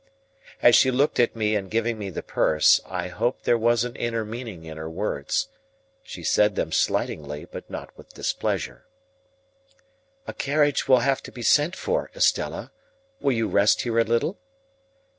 As she looked at me in giving me the purse, I hoped there was an inner meaning in her words. She said them slightingly, but not with displeasure. "A carriage will have to be sent for, Estella. Will you rest here a little?"